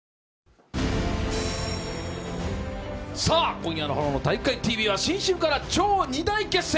今夜の「炎の体育会ＴＶ」は新春から超２大決戦！！